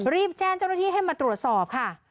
รีบแจ้งเจ้าหน้าที่ให้มาตรวจสอบค่ะ